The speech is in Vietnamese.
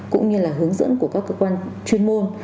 cũng như là hướng dẫn của các cơ quan chuyên môn